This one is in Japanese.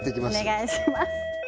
お願いします